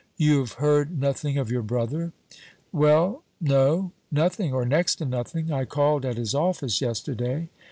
"You have heard nothing of your brother?" "Well, no nothing, or next to nothing. I called at his office yesterday.